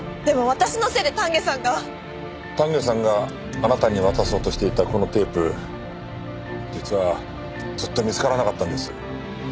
でも私のせいで丹下さんが！丹下さんがあなたに渡そうとしていたこのテープ実はずっと見つからなかったんです。